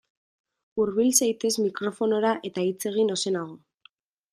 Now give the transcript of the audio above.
Hurbil zaitez mikrofonora eta hitz egin ozenago.